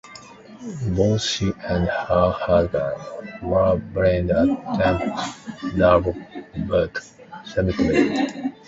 Both she and her husband were buried at Tempe Double Butte Cemetery.